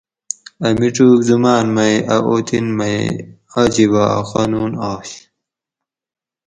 اۤ میچوگ زماۤن مئ اۤ اوطن مئ عجیبہ اۤ قانون آش